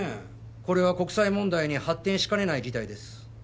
これは国際問題に発展しかねない事態です